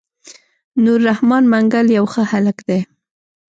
نور رحمن منګل يو ښه هلک دی.